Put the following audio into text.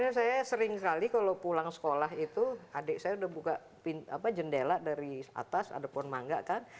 karena saya sering kali kalau pulang sekolah itu adik saya udah buka jendela dari atas ada pohon mangga kan